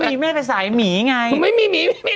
จะต้องมีแม่ไปสายหมี่ไง